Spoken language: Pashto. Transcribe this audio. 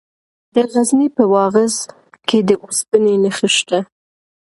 د غزني په واغظ کې د اوسپنې نښې شته.